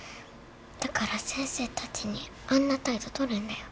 だから先生たちにあんな態度取るんだよ